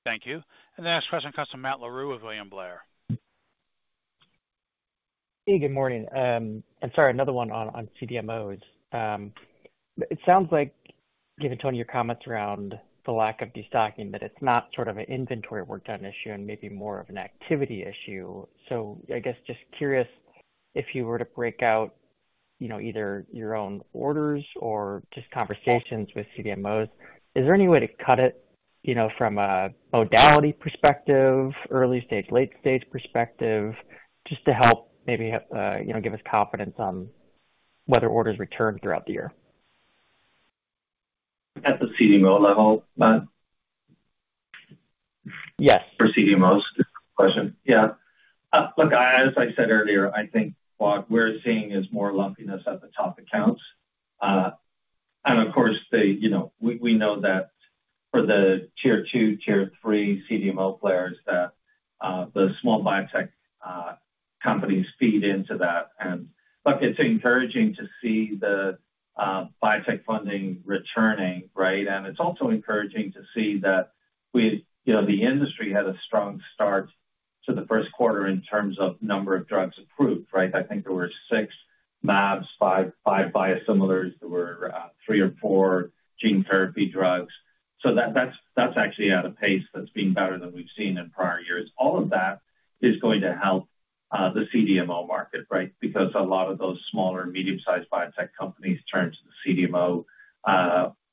Thank you. The next question comes from Matt Larew of William Blair. Hey, good morning. Sorry, another one on CDMOs. It sounds like, given, Tony, your comments around the lack of destocking, that it's not sort of an inventory work down issue and maybe more of an activity issue. So I guess, just curious, if you were to break out-... you know, either your own orders or just conversations with CDMOs, is there any way to cut it, you know, from a modality perspective, early stage, late stage perspective, just to help maybe, you know, give us confidence on whether orders return throughout the year? At the CDMO level, Matt? Yes. For CDMOs, good question. Yeah. Look, as I said earlier, I think what we're seeing is more lumpiness at the top accounts. And of course, the, you know, we, we know that for the tier two, tier three CDMO players, that the small biotech companies feed into that. And look, it's encouraging to see the biotech funding returning, right? And it's also encouraging to see that we, you know, the industry had a strong start to the first quarter in terms of number of drugs approved, right? I think there were six mAbs, five biosimilars. There were three or four gene therapy drugs. So that's actually at a pace that's been better than we've seen in prior years. All of that is going to help the CDMO market, right? Because a lot of those smaller, medium-sized biotech companies turn to the CDMO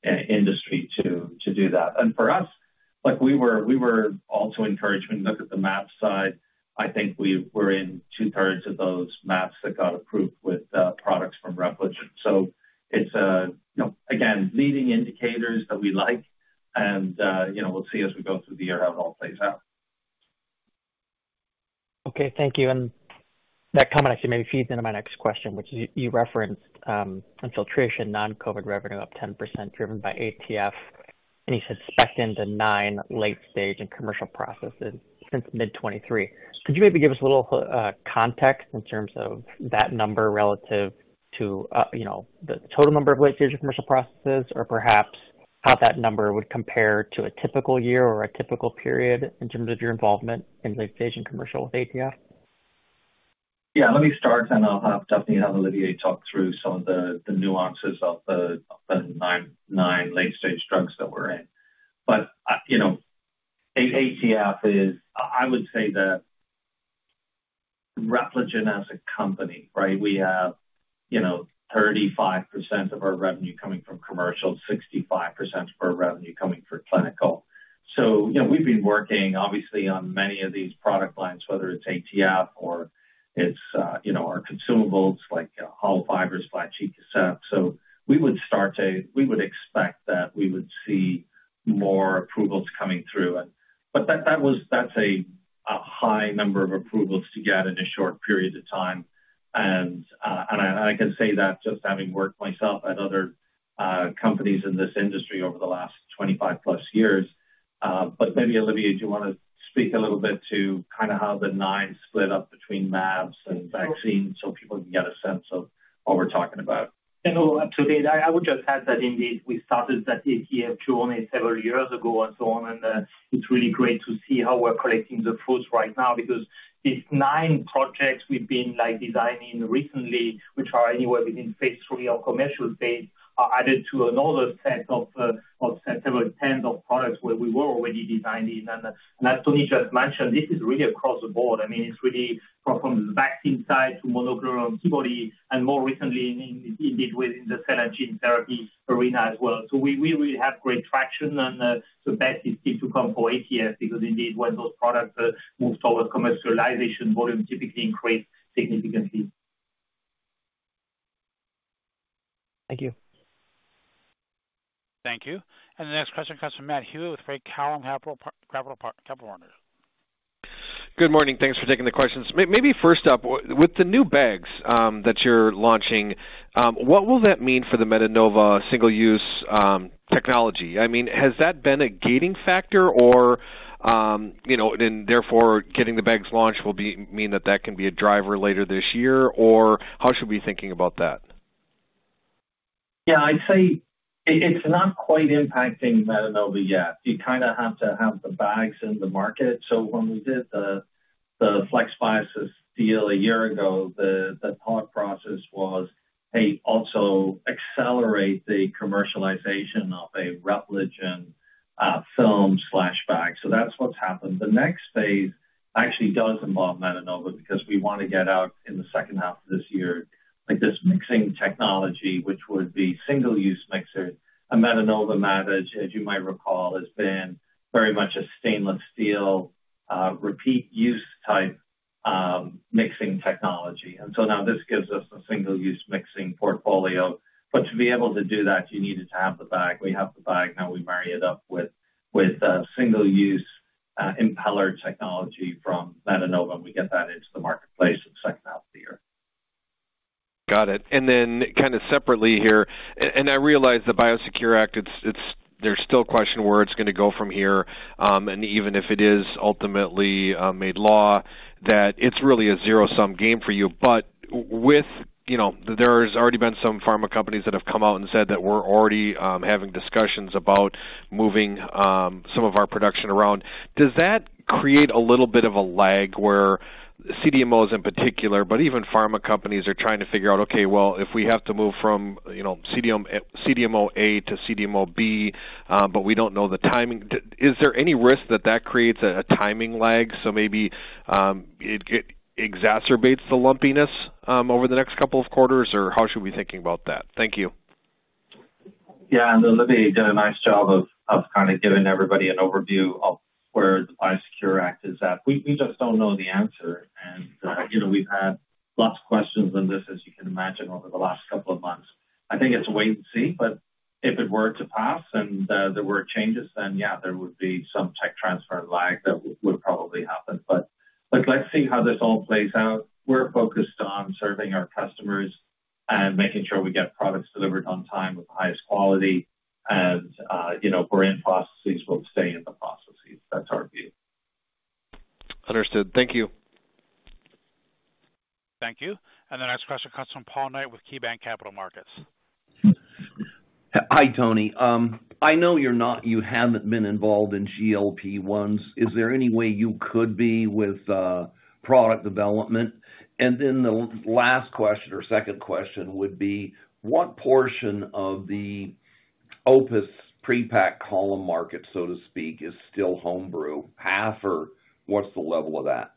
industry to do that. And for us, like, we were also encouraged when you look at the mAb side. I think we were in two-thirds of those mAbs that got approved with products from Repligen. So it's a, you know, again, leading indicators that we like, and, you know, we'll see as we go through the year how it all plays out. Okay, thank you. That comment actually maybe feeds into my next question, which is, you referenced, filtration non-COVID revenue up 10%, driven by ATF, and you said nine late-stage and commercial processes since mid-2023. Could you maybe give us a little context in terms of that number relative to, you know, the total number of late-stage commercial processes, or perhaps how that number would compare to a typical year or a typical period in terms of your involvement in late-stage and commercial with ATF? Yeah, let me start, and I'll have [Daphne] and Olivier talk through some of the nuances of the nine late-stage drugs that we're in. But, you know, ATF is, I would say that Repligen as a company, right, we have, you know, 35% of our revenue coming from commercial, 65% of our revenue coming from clinical. So, you know, we've been working obviously on many of these product lines, whether it's ATF or it's, you know, our consumables, like hollow fibers, flat sheet cassettes. So we would expect that we would see more approvals coming through. But that's a high number of approvals to get in a short period of time. And I can say that just having worked myself at other companies in this industry over the last 25+ years. But maybe, Olivier, do you want to speak a little bit to kind of how the nine split up between mAbs and vaccines so people can get a sense of what we're talking about? And to that, I would just add that indeed, we started that ATF journey several years ago and so on, and it's really great to see how we're collecting the fruits right now, because these nine projects we've been, like, designing recently, which are anywhere between phase three or commercial phase, are added to another set of several tens of products where we were already designing. And as Tony just mentioned, this is really across the board. I mean, it's really from the vaccine side to monoclonal antibody, and more recently, indeed, within the cell and gene therapy arena as well. So we really have great traction, and the best is yet to come for ATF, because indeed, when those products move toward commercialization, volume typically increase significantly. Thank you. Thank you. And the next question comes from Matt Hewitt with Craig-Hallum Capital Group. Good morning. Thanks for taking the questions. Maybe first up, with the new bags that you're launching, what will that mean for the Metenova single-use technology? I mean, has that been a gating factor or, you know, and therefore, getting the bags launched will mean that that can be a driver later this year? Or how should we be thinking about that? Yeah, I'd say it's not quite impacting Metenova yet. You kind of have to have the bags in the market. So when we did the FlexBiosys deal a year ago, the thought process was they also accelerate the commercialization of a Repligen film/bag. So that's what's happened. The next phase actually does involve Metenova, because we want to get out in the second half of this year, like, this mixing technology, which would be single-use mixer. And Metenova, as you might recall, has been very much a stainless steel repeat-use type mixing technology. And so now this gives us a single-use mixing portfolio. But to be able to do that, you needed to have the bag. We have the bag, now we marry it up with single-use impeller technology from Metenova, and we get that into the marketplace in the second half of the year. Got it. And then kind of separately here, and I realize the BIOSECURE Act, it's -- there's still a question where it's going to go from here, and even if it is ultimately made law, that it's really a zero-sum game for you. But with, you know, there's already been some pharma companies that have come out and said that we're already having discussions about moving some of our production around. Does that create a little bit of a lag where CDMOs in particular, but even pharma companies, are trying to figure out, okay, well, if we have to move from, you know, CDMO A to CDMO B, but we don't know the timing, is there any risk that that creates a timing lag, so maybe it exacerbates the lumpiness over the next couple of quarters? Or how should we be thinking about that? Thank you.... Yeah, and Olivier did a nice job of kind of giving everybody an overview of where the BIOSECURE Act is at. We just don't know the answer. And you know, we've had lots of questions on this, as you can imagine, over the last couple of months. I think it's wait and see, but if it were to pass and there were changes, then yeah, there would be some tech transfer lag that would probably happen. But let's see how this all plays out. We're focused on serving our customers and making sure we get products delivered on time with the highest quality. And you know, we're in processes, we'll stay in the processes. That's our view. Understood. Thank you. Thank you. The next question comes from Paul Knight with KeyBanc Capital Markets. Hi, Tony. I know you haven't been involved in GLP-1s. Is there any way you could be with product development? And then the last question or second question would be: What portion of the OPUS pre-packed column market, so to speak, is still home brew, half, or what's the level of that?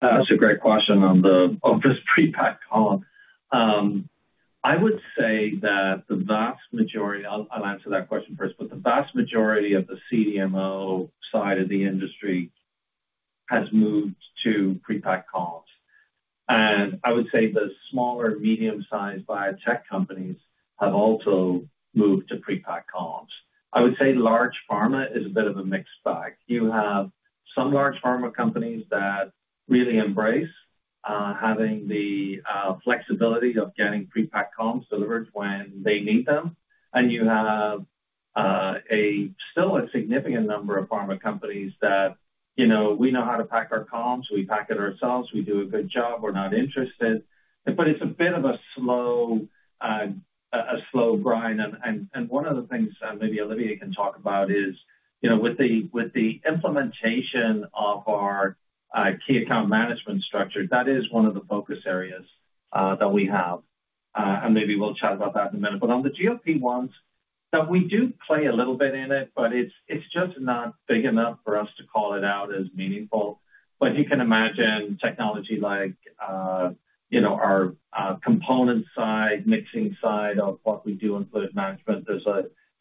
That's a great question. On the OPUS pre-packed column, I would say that the vast majority... I'll, I'll answer that question first, but the vast majority of the CDMO side of the industry has moved to pre-packed columns. And I would say the smaller, medium-sized biotech companies have also moved to pre-packed columns. I would say large pharma is a bit of a mixed bag. You have some large pharma companies that really embrace, having the, flexibility of getting pre-packed columns delivered when they need them, and you have, a still a significant number of pharma companies that, you know, "We know how to pack our columns. We pack it ourselves. We do a good job. We're not interested." But it's a bit of a slow, a, a slow grind. One of the things, maybe Olivier can talk about is, you know, with the implementation of our key account management structure, that is one of the focus areas that we have. And maybe we'll chat about that in a minute. But on the GLP-1s, that we do play a little bit in it, but it's just not big enough for us to call it out as meaningful. But you can imagine technology like, you know, our component side, mixing side of what we do in fluid management. There's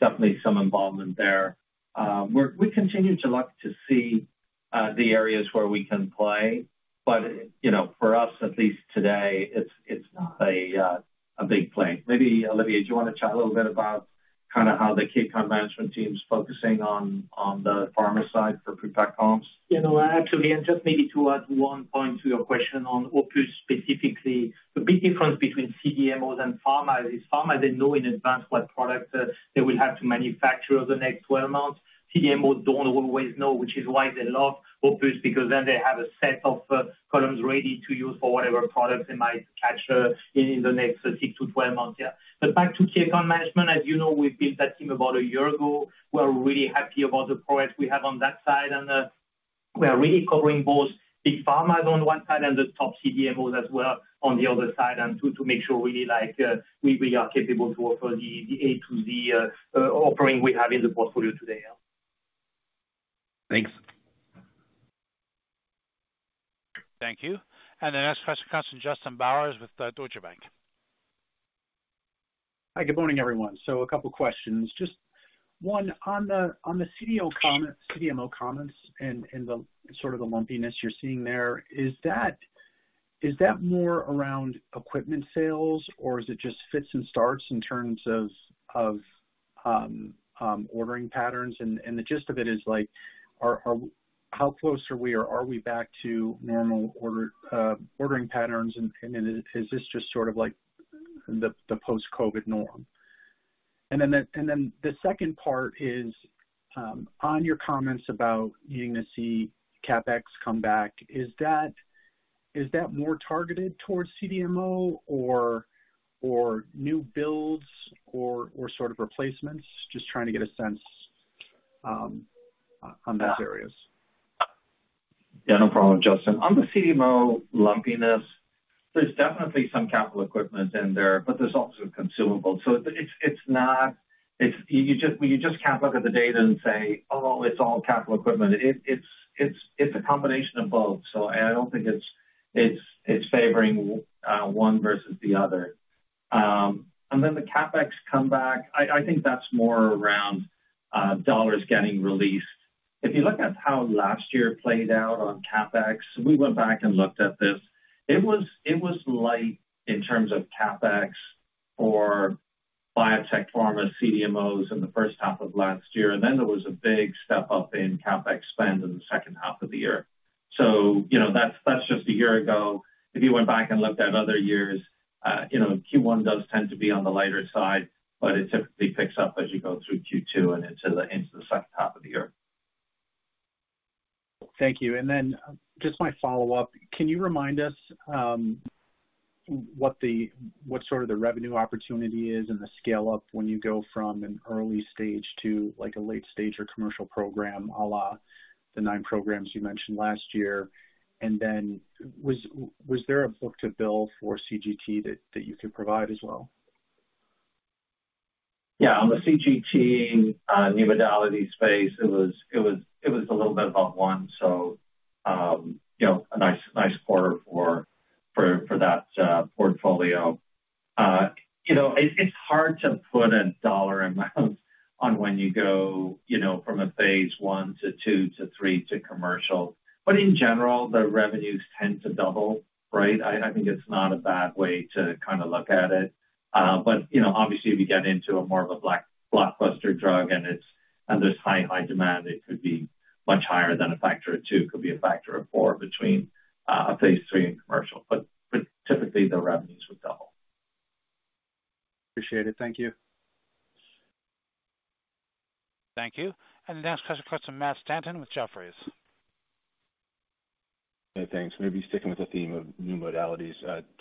definitely some involvement there. We're we continue to look to see the areas where we can play, but, you know, for us, at least today, it's not a big play. Maybe, Olivier, do you want to chat a little bit about kind of how the key account management team is focusing on, on the pharma side for pre-packed columns? You know, actually, and just maybe to add one point to your question on OPUS specifically, the big difference between CDMOs and pharma is pharma, they know in advance what product, they will have to manufacture over the next 12 months. CDMO don't always know, which is why they love OPUS, because then they have a set of, columns ready to use for whatever product they might catch, in the next six to 12 months. Yeah. But back to key account management, as you know, we've built that team about a year ago. We're really happy about the progress we have on that side, and we are really covering both big pharmas on one side and the top CDMOs as well on the other side, and to make sure, like, we are capable to offer the A to Z offering we have in the portfolio today. Thanks. Thank you. And the next question comes from Justin Bowers with Deutsche Bank. Hi, good morning, everyone. So a couple questions. Just one, on the, on the CDO comments—CDMO comments and, and the sort of the lumpiness you're seeing there, is that, is that more around equipment sales, or is it just fits and starts in terms of, of, ordering patterns? And, and the gist of it is like, how close are we or are we back to normal order, ordering patterns and, and is this just sort of like the, the post-COVID norm? And then the, and then the second part is, on your comments about beginning to see CapEx come back, is that, is that more targeted towards CDMO or, or new builds or, or sort of replacements? Just trying to get a sense, on those areas. Yeah, no problem, Justin. On the CDMO lumpiness, there's definitely some capital equipment in there, but there's also consumables. So it's not—it's—you just can't look at the data and say, "Oh, it's all capital equipment." It's a combination of both, so I don't think it's favoring one versus the other. And then the CapEx comeback, I think that's more around dollars getting released. If you look at how last year played out on CapEx, we went back and looked at this. It was light in terms of CapEx for biotech, pharma, CDMOs in the first half of last year, and then there was a big step up in CapEx spend in the second half of the year. So you know, that's just a year ago. If you went back and looked at other years, you know, Q1 does tend to be on the lighter side, but it typically picks up as you go through Q2 and into the second half of the year. Thank you. Then just my follow-up, can you remind us what sort of the revenue opportunity is and the scale-up when you go from an early stage to, like, a late stage or commercial program, a la the nine programs you mentioned last year? And then, was there a book-to-bill for CGT that you could provide as well?... Yeah, on the CGT, new modality space, it was a little bit above one, so, you know, a nice quarter for that portfolio. You know, it's hard to put a dollar amount on when you go, you know, from a phase I to II to III to commercial. But in general, the revenues tend to double, right? I think it's not a bad way to kinda look at it. But, you know, obviously, if you get into a more of a blockbuster drug and there's high demand, it could be much higher than a factor of two. It could be a factor of four between a phase III and commercial. But typically, the revenues would double. Appreciate it. Thank you. Thank you. The next question comes from Matt Stanton with Jefferies. Hey, thanks. Maybe sticking with the theme of new modalities,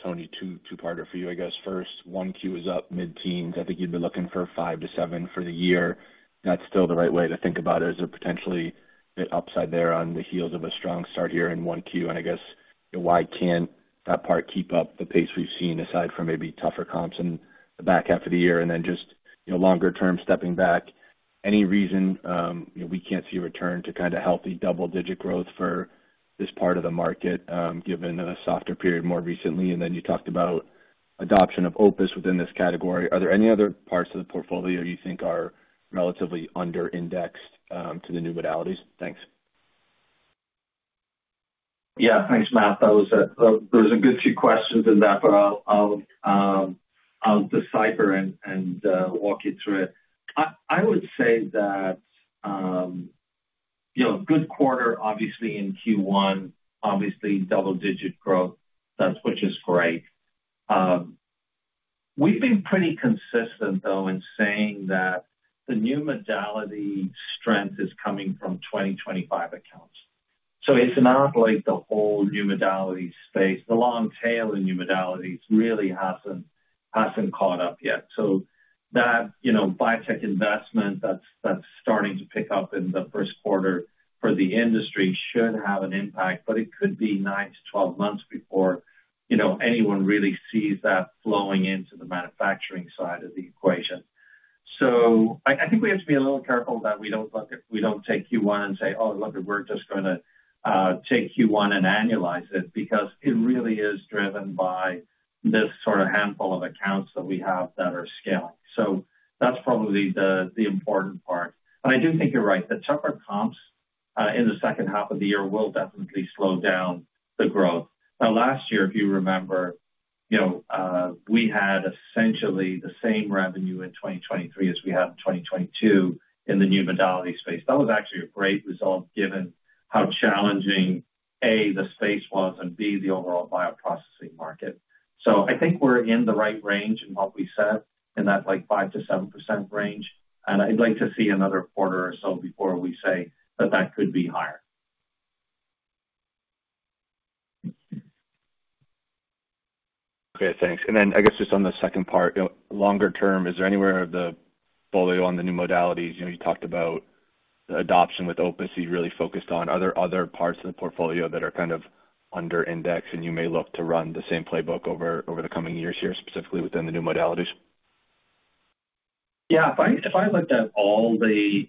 Tony, two-parter for you, I guess. First, 1Q is up mid-teens. I think you'd been looking for five to seven for the year. That's still the right way to think about it. Is there potentially an upside there on the heels of a strong start here in 1Q? And I guess, why can't that part keep up the pace we've seen, aside from maybe tougher comps in the back half of the year? And then just, you know, longer term, stepping back, any reason, you know, we can't see a return to kind of healthy double-digit growth for this part of the market, given the softer period more recently? And then you talked about adoption of OPUS within this category. Are there any other parts of the portfolio you think are relatively under indexed, to the new modalities? Thanks. Yeah. Thanks, Matt. That was a good few questions in that, but I'll decipher and walk you through it. I would say that, you know, good quarter, obviously in Q1, obviously double-digit growth, that's which is great. We've been pretty consistent, though, in saying that the new modality strength is coming from 2025 accounts. So it's not like the whole new modality space. The long tail in new modalities really hasn't caught up yet. So that, you know, biotech investment, that's starting to pick up in the first quarter for the industry should have an impact, but it could be nine-12 months before, you know, anyone really sees that flowing into the manufacturing side of the equation. So I think we have to be a little careful that we don't look at—we don't take Q1 and say: Oh, look, we're just gonna take Q1 and annualize it, because it really is driven by this sort of handful of accounts that we have that are scaling. So that's probably the important part. But I do think you're right. The tougher comps in the second half of the year will definitely slow down the growth. Now, last year, if you remember, you know, we had essentially the same revenue in 2023 as we had in 2022 in the new modality space. That was actually a great result, given how challenging, A, the space was, and B, the overall bioprocessing market. So I think we're in the right range in what we said in that, like, 5%-7% range, and I'd like to see another quarter or so before we say that that could be higher. Okay, thanks. And then, I guess, just on the second part, you know, longer term, is there anywhere of the portfolio on the new modalities? You know, you talked about the adoption with OPUS you really focused on. Are there other parts of the portfolio that are kind of under index, and you may look to run the same playbook over the coming years here, specifically within the new modalities? Yeah, if I looked at all the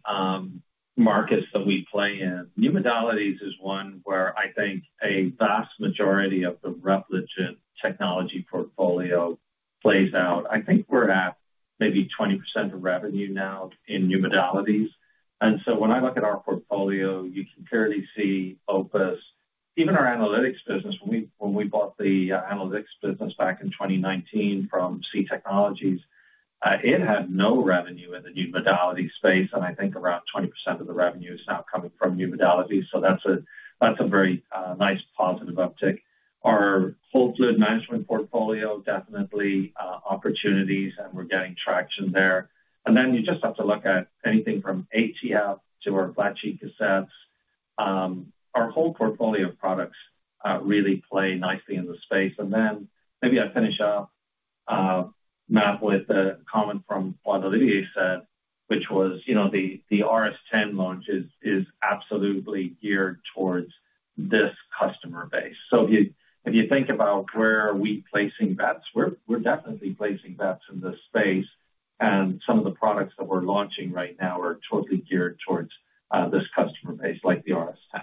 markets that we play in, new modalities is one where I think a vast majority of the Repligen technology portfolio plays out. I think we're at maybe 20% of revenue now in new modalities. And so when I look at our portfolio, you can clearly see OPUS, even our analytics business, when we bought the analytics business back in 2019 from C Technologies, it had no revenue in the new modality space, and I think around 20% of the revenue is now coming from new modalities. So that's a very nice positive uptick. Our whole fluid management portfolio, definitely opportunities, and we're getting traction there. And then you just have to look at anything from ATF to our flat sheet cassettes. Our whole portfolio of products really play nicely in the space. And then maybe I finish up, Matt, with a comment from Olivier Loeillot said, which was, you know, the RS 10 launch is absolutely geared towards this customer base. So if you think about where are we placing bets, we're definitely placing bets in this space, and some of the products that we're launching right now are totally geared towards this customer base, like the RS 10.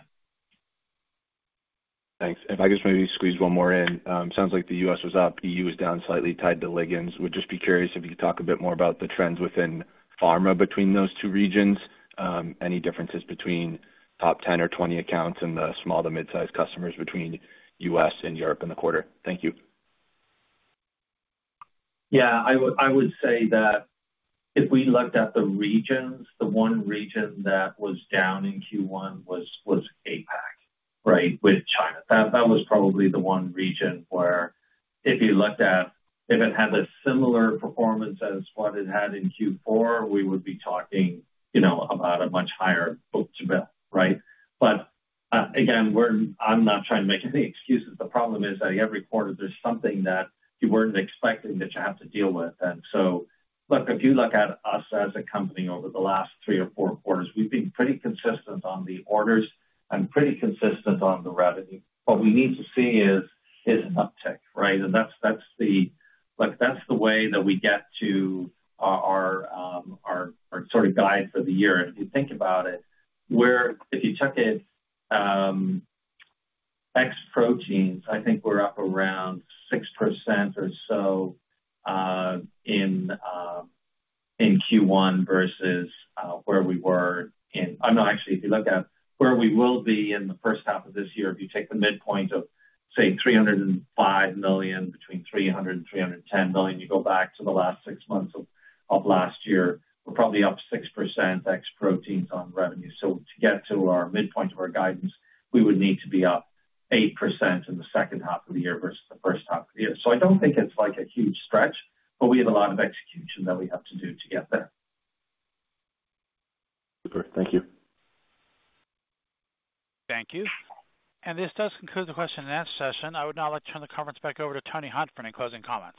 Thanks. If I could just maybe squeeze one more in. Sounds like the U.S. was up, E.U. was down slightly tied to ligands. Would just be curious if you could talk a bit more about the trends within pharma between those two regions. Any differences between top 10 or 20 accounts and the small to mid-size customers between U.S. and Europe in the quarter? Thank you. Yeah, I would say that if we looked at the regions, the one region that was down in Q1 was APAC, right? With China. That was probably the one region where if you looked at, if it had a similar performance as what it had in Q4, we would be talking, you know, about a much higher book bill, right? But again, we're, I'm not trying to make any excuses. The problem is that every quarter, there's something that you weren't expecting that you have to deal with. And so look, if you look at us as a company over the last three or four quarters, we've been pretty consistent on the orders and pretty consistent on the revenue. What we need to see is an uptick, right? That's the way that we get to our sort of guide for the year. If you think about it, where if you took it ex proteins, I think we're up around 6% or so in Q1 versus where we were in... Actually, if you look at where we will be in the first half of this year, if you take the midpoint of, say, $305 million, between $300 million and $310 million, you go back to the last six months of last year, we're probably up 6% ex proteins on revenue. So to get to our midpoint of our guidance, we would need to be up 8% in the second half of the year versus the first half of the year. I don't think it's like a huge stretch, but we have a lot of execution that we have to do to get there. Super. Thank you. Thank you. This does conclude the question and answer session. I would now like to turn the conference back over to Tony Hunt for any closing comments.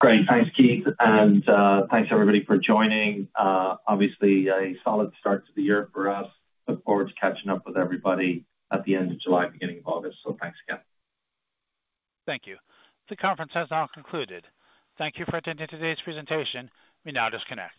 Great. Thanks, Keith, and, thanks, everybody, for joining. Obviously, a solid start to the year for us. Look forward to catching up with everybody at the end of July, beginning of August. So thanks again. Thank you. The conference has now concluded. Thank you for attending today's presentation. You may now disconnect.